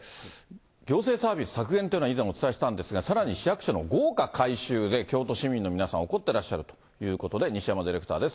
行政サービス削減というのは以前お伝えしたんですが、さらに市役所の豪華改修で、京都市民の皆さん、怒ってらっしゃるということで、西山ディレクターです。